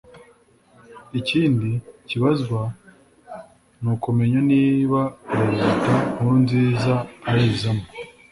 Ikindi kibazwa ni ukumenya niba Perezida Nkuruninza ayizamo